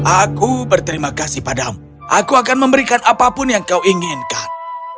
aku berterima kasih padamu aku akan memberikan apapun yang kau inginkan